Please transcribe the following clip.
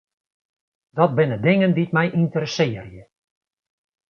Dat binne dingen dy't my ynteressearje.